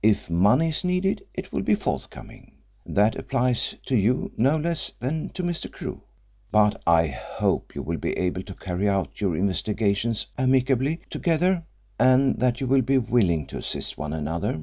If money is needed it will be forthcoming. That applies to you no less than to Mr. Crewe. But I hope you will be able to carry out your investigations amicably together, and that you will be willing to assist one another.